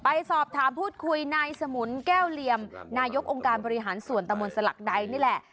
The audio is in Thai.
ไปสอบถามพูดคุยนายสมุนแก้วเหลี่ยมนายกองค์การบริหารส่วนตะมนต์สลักใดนี่แหละ